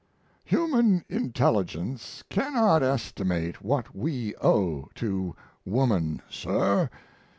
] Human intelligence cannot estimate what we owe to woman, sir.